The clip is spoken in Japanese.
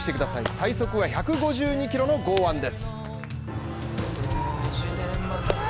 最速が１５２キロの剛腕です。